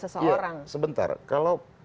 seseorang sebentar kalau